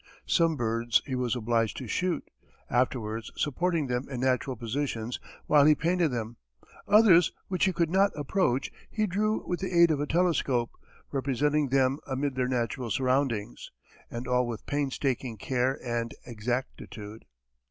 Some birds he was obliged to shoot, afterwards supporting them in natural positions while he painted them; others which he could not approach, he drew with the aid of a telescope, representing them amid their natural surroundings, and all with painstaking care and exactitude.